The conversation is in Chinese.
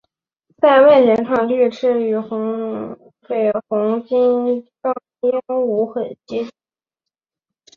在外形上绿翅与绯红金刚鹦鹉很接近。